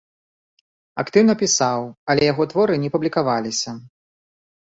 Актыўна пісаў, але яго творы не публікаваліся.